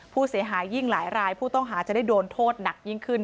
ยิ่งหลายรายผู้ต้องหาจะได้โดนโทษหนักยิ่งขึ้น